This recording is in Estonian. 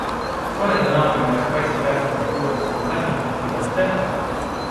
Toreda naabrinaise kassi päästmine puu otsast on vähim, mida sa teha saad.